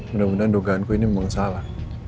mudah mudahan dugaanku ini memang salah